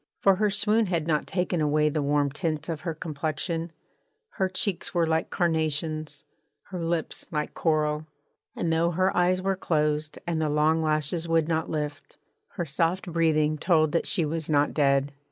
For her swoon had not taken away the warm tints of her complexion: her cheeks were like carnations, her lips like coral: and though her eyes were closed and the long lashes would not lift, her soft breathing told that she was not dead.